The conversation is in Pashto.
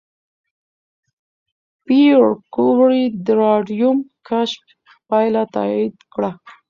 پېیر کوري د راډیوم کشف پایله تایید کړه.